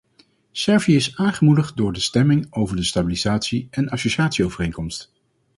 Servië is aangemoedigd door de stemming over de stabilisatie- en associatieovereenkomst.